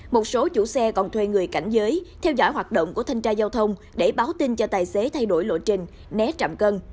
một số chủ xe còn thuê người cảnh giới theo dõi hoạt động của thanh tra giao thông để báo tin cho tài xế thay đổi lộ trình né trạm cân